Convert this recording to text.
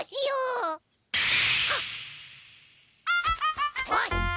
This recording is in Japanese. よし！